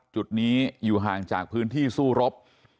จุดนี้อยู่ห่างจากพื้นที่สู้รบ